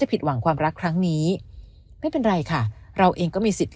ผิดหวังความรักครั้งนี้ไม่เป็นไรค่ะเราเองก็มีสิทธิ์